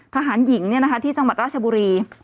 ทหารหญิงที่จังหวัดราชบุรี